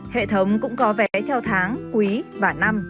hệ thống cũng có vé theo tháng quý và năm